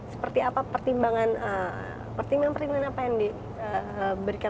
seperti apa pertimbangan pertimbangan pertimbangan apa yang dikira